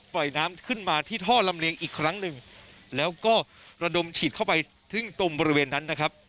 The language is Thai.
ปล่อยน้ำขึ้นมาที่ท่อลำเลียงอีกครั้งหนึ่งแล้วก็ระดมฉีดเข้าไปถึงตรงบริเวณนั้นนะครับ